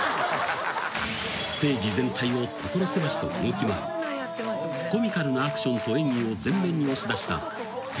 ［ステージ全体を所狭しと動き回りコミカルなアクションと演技を全面に押し出したテツａｎｄトモ］